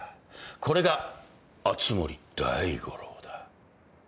これが熱護大五郎だ。